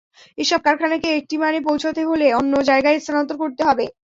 এসব কারখানাকে একটি মানে পৌঁছতে হলে অন্য জায়গায় স্থানান্তর করতে হবে।